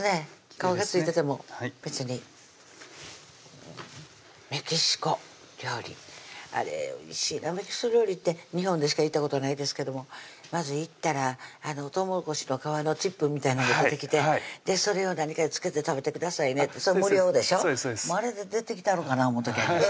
皮が付いてても別にメキシコ料理あれおいしいなメキシコ料理って日本でしか行ったことはないですけどもまず行ったらとうもろこしの皮のチップみたいなんが出てきてそれを何かに付けて食べてくださいねってそれ無料でしょあれで出てきたろかな思う時あります